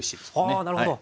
ああなるほど。